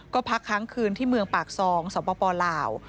ก็พักค้างคืนที่เมืองปากซองสปลาว